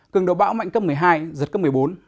cường độ bão mạnh cấp một mươi hai giật cấp một mươi bốn